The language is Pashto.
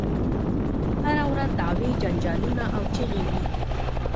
هره ورځ دعوې جنجالونه او چیغې وي.